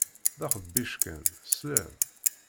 D axebbic kan, tesliḍ?